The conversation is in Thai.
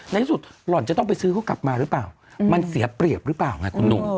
ในที่สุดหล่อนจะต้องไปซื้อเขากลับมาหรือเปล่ามันเสียเปรียบหรือเปล่าไงคุณหนุ่ม